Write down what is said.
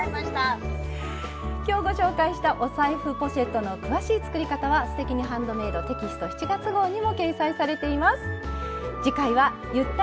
今日ご紹介したお財布ポシェットの詳しい作り方は「すてきにハンドメイド」テキスト７月号にも掲載されています。